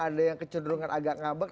ada yang kecenderungan agak ngabek